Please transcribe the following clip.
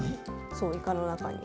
そうイカの中に。